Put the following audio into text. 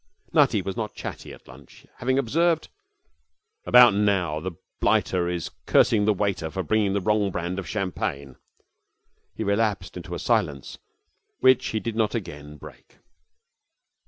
Nutty was not chatty at lunch. Having observed 'About now the blighter is cursing the waiter for bringing the wrong brand of champagne,' he relapsed into a silence which he did not again break.